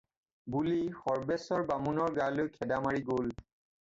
বুলি সৰ্ব্বেশ্বৰ বামুণৰ গালৈ খেদা মাৰি গ'ল।